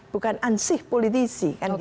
bukan ansih politisi